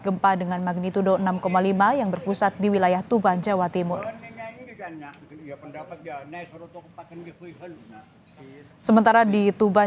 gempa dengan magnitudo enam lima yang berpusat di wilayah tuban jawa timur